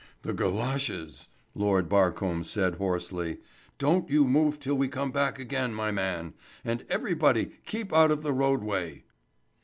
"The galoshes," Lord Barcombe said hoarsely. "Don't you move till we come back again, my man. And everybody keep out of the roadway."